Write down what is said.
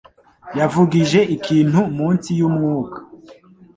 yavugije ikintu munsi yumwuka.